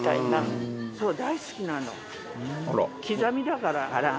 刻みだから。